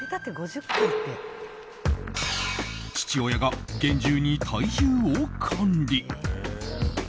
父親が厳重に体重を管理。